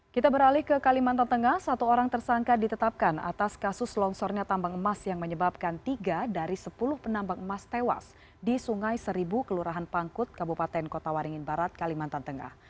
kita beralih ke kalimantan tengah satu orang tersangka ditetapkan atas kasus longsornya tambang emas yang menyebabkan tiga dari sepuluh penambang emas tewas di sungai seribu kelurahan pangkut kabupaten kota waringin barat kalimantan tengah